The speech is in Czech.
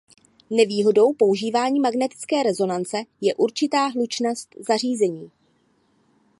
Nevýhodou používání magnetické rezonance je určitá hlučnost zařízení.